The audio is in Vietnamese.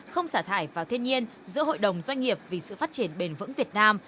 không xả thải vào thiên nhiên giữa hội đồng doanh nghiệp vì sự phát triển bền vững việt nam